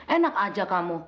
enak saja kamu